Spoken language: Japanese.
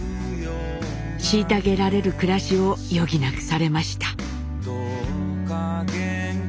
虐げられる暮らしを余儀なくされました。